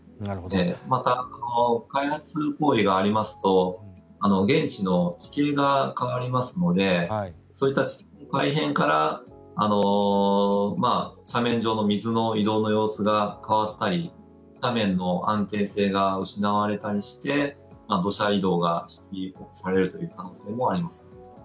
また、開発行為がありますと現地の地形が変わりますのでそういった改変から斜面上の水の移動の様子が変わったり斜面の安定性が失われたりして土砂移動が起きるという可能性もあります。